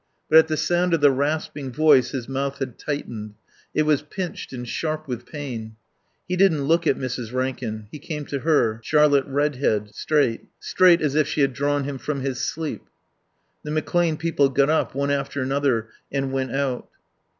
But at the sound of the rasping voice his mouth had tightened; it was pinched and sharp with pain. He didn't look at Mrs. Rankin. He came to her, Charlotte Redhead, straight; straight as if she had drawn him from his sleep. The McClane people got up, one after another, and went out.